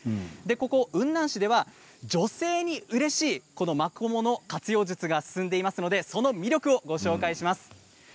ここ雲南市では女性にうれしいマコモの活用術が進んでいますのでその魅力をご紹介します。